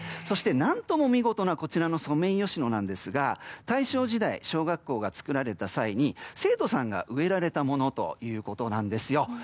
そして、何とも見事なこちらのソメイヨシノですが大正時代、小学校が作られた際に生徒さんが植えられたものということなんですよ。